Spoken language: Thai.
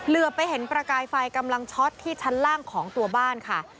เหลือไปเห็นประกายไฟกำลังช็อตที่ชั้นล่างของตัวบ้านค่ะ